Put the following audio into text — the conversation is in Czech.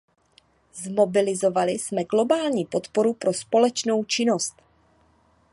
Zmobilizovali jsme globální podporu pro společnou činnost.